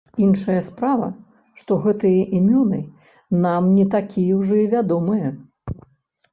Іншая справа, што гэтыя імёны нам не такія ўжо і вядомыя.